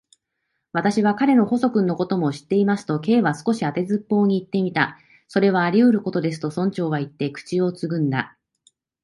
「私は彼の細君のことも知っています」と、Ｋ は少し当てずっぽうにいってみた。「それはありうることです」と、村長はいって、口をつぐんだ。